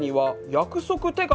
約束手形？